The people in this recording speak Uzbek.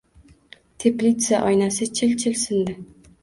Teplitsa oynasi chil-chil sindi.